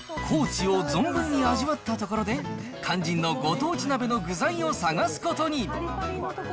高知を存分に味わったところで、肝心のご当地鍋の具材を探すことに。